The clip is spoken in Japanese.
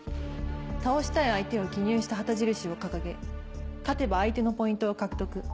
倒したい相手を記入した旗印を掲げ勝てば相手のポイントを獲得。